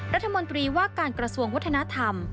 รัฐมนตรีว่าการกระทรวงวัฒนธรรม